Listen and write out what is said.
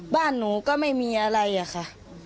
บ้านหนูก็ไม่มีอะไรอะค่ะ